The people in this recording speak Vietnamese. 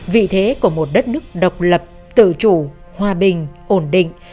vị thế của một đất nước độc lập tự chủ hòa bình ổn định